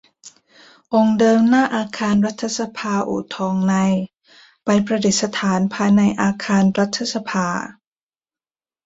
องค์เดิมหน้าอาคารรัฐสภาอู่ทองในไปประดิษฐานภายในอาคารรัฐสภา